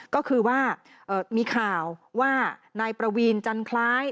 ก็คือว่ามีข่าวว่านายประวีนจันคล้าย